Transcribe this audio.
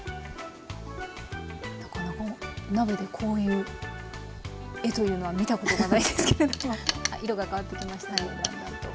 なかなかお鍋でこういう絵というのは見たことがないですけれども色が変わってきました。